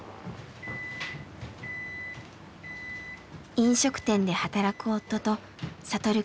飲食店で働く夫と聖くん。